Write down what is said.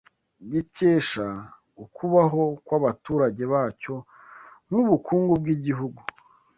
gikesha ukubaho kw’Abaturage bacyo nk’ubukungu bw’igihugu